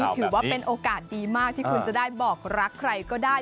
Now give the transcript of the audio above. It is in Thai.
ถือว่าเป็นโอกาสดีมากที่คุณจะได้บอกรักใครก็ได้